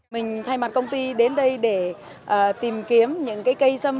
mình thay mặt công ty đến đây để tìm kiếm những cái cây sâm